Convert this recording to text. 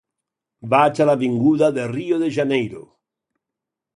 Vaig a l'avinguda de Rio de Janeiro.